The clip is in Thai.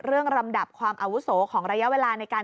เรื่องรำดับความอาวุโสของระยะไวลาน